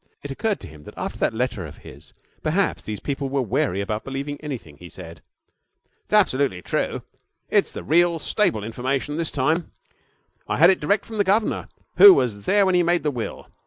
It occurred to him that, after that letter of his, perhaps these people were wary about believing anything he said. 'It's absolutely true. It's the real, stable information this time. I had it direct from the governor, who was there when he made the will.